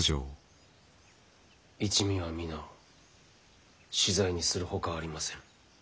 一味は皆死罪にするほかありませぬ。